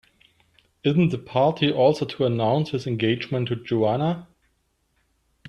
Isn't the party also to announce his engagement to Joanna?